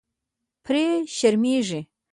پرې شرمېږي.